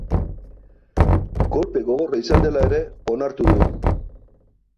Kolpe gogorra izan dela ere onartu du.